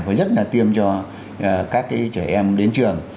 và rất là tiêm cho các trẻ em đến trường